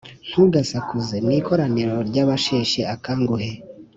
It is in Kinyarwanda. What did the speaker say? Ntugasakuze mu ikoraniro ry’abasheshe akanguhe,